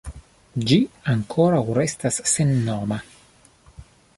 Ĝi ankoraŭ restas sennoma.